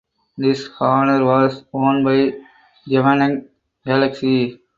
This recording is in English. This honour was won by Jwaneng Galaxy.